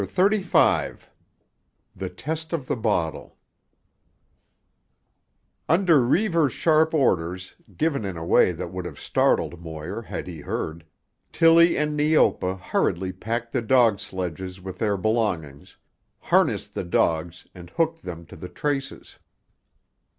CHAPTER XXXV—THE TEST OF THE BOTTLE Under Reivers' sharp orders—given in a way that would have startled Moir had he heard—Tillie and Neopa hurriedly packed the dog sledges with their belongings, harnessed the dogs and hooked them to the traces.